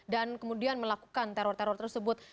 dan kemudian melakukan teror teror tersebut